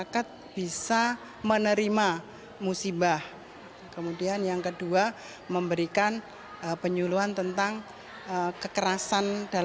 dalam rumah tangga